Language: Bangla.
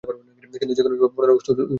কিন্তু যেকোনো সময় পুনরায় অসুস্থ হতে পারে।